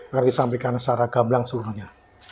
akan disampaikan secara gablang seluruhnya